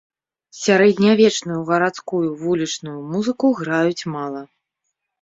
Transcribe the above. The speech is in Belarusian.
Сярэднявечную, гарадскую, вулічную музыку граюць мала.